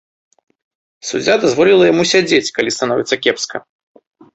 Суддзя дазволіла яму сядзець, калі становіцца кепска.